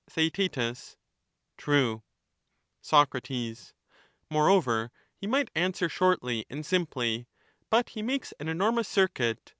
Theaet True. Soc, Moreover, he might answer shortly and simply, but he makes an enormous circuit.